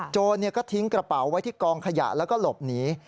โจรก็ทิ้งกระเป๋าไว้ที่กองขยะแล้วก็หลบหนี